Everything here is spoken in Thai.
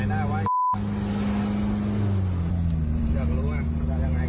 อยากก็รู้มั๊ยมันจะทำยังไงสะ